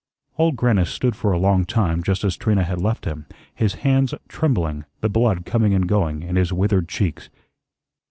Old Grannis stood for a long time just as Trina had left him, his hands trembling, the blood coming and going in his withered cheeks.